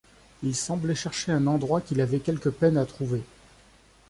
Il semblait chercher un endroit qu’il avait quelque peine à trouver.